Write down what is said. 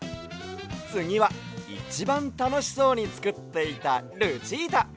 つぎはいちばんたのしそうにつくっていたルチータ！